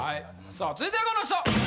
さあ続いてはこの人！